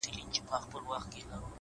خو اوس د اوښكو سپين ځنځير پر مخ گنډلی ـ